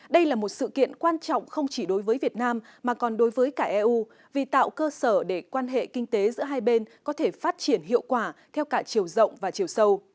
đây là một sự kiện quan trọng không chỉ đối với việt nam mà còn đối với cả eu vì tạo cơ sở để quan hệ kinh tế giữa hai bên có thể phát triển hiệu quả theo cả chiều rộng và chiều sâu